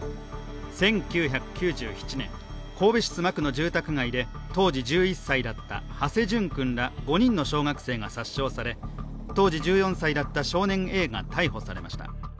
１９９７年、神戸市須磨区の住宅街で当時１１歳だった土師淳君ら５人の小学生が殺傷され当時１４歳だった少年Ａが逮捕されました。